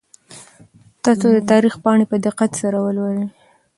تاسو د تاریخ پاڼې په دقت سره ولولئ.